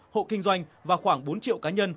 hộ kinh doanh và khoảng bốn triệu cá nhân